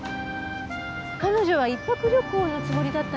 彼女は１泊旅行のつもりだったのよね？